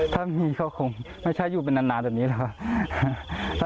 ถ้ามีก็คงไม่ใช่อยู่เป็นนานแบบนี้แหละครับ